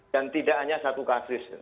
dan tidak hanya satu kasus